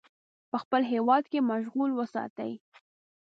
په خپل هیواد کې مشغول وساتي.